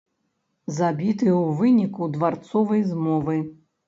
Забіты ў выніку дварцовай змовы.